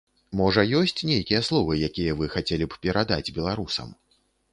Можа, ёсць нейкія словы, якія вы хацелі б перадаць беларусам?